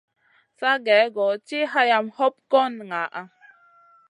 Sa gèh-goh tiʼi hayam hoɓ goy ŋaʼa.